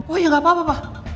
oh ya gak apa apa pak